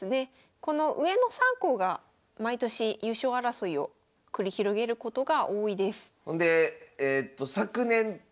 この上の３校が毎年優勝争いを繰り広げることが多いです。